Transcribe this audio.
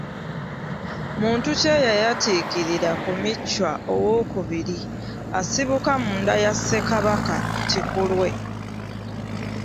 Muntu ki eyayatiikirira ku Michwa II asibuka mu nda ya Ssekabaka Kikulwe?